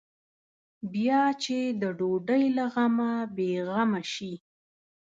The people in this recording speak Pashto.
بیا چې د ډوډۍ له غمه بې غمه شي.